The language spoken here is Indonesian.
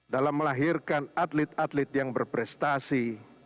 dalam melahirkan atlet atlet yang berprestasi